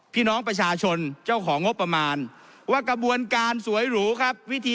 พี่น้องประชาชนเจ้าของงบประมาณว่ากระบวนการสวยหรูครับวิธี